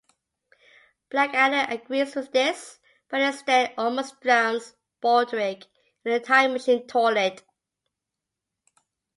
Blackadder agrees with this, but instead almost drowns Baldrick in the time machine toilet.